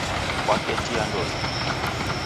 Waketi andonyi.